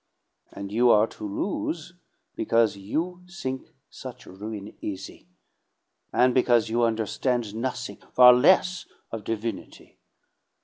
And you are to lose, because you think such ruin easy, and because you understand nothing far less of divinity.